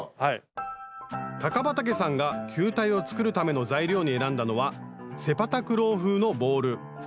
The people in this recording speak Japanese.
高畠さんが球体を作るための材料に選んだのはセパタクロー風のボール。